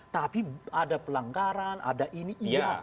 tapi ada pelanggaran ada ini iya